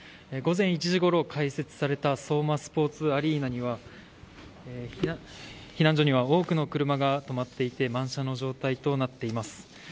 午前１時ごろ開設された相馬スポーツアリーナには避難所には多くの車が止まっていて満車の状態です。